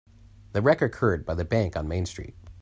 The wreck occurred by the bank on Main Street.